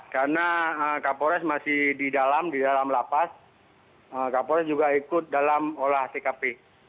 karena kapolres masih di dalam di dalam lapas kapolres juga ikut dalam olah tkp